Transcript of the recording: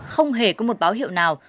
không hề có một báo hiệu nào